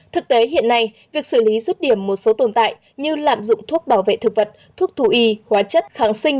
thực tế hiện nay việc xử lý rứt điểm một số tồn tại như lạm dụng thuốc bảo vệ thực vật thuốc thù y hóa chất kháng sinh